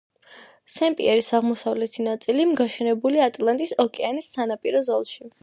სენ-პიერის აღმოსავლეთი ნაწილი გაშენებულია ატლანტის ოკეანის სანაპირო ზოლში.